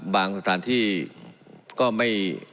สถานที่ก็ไม่